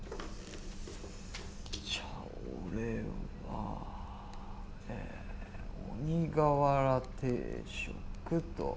じゃあ俺はえ鬼瓦定食と。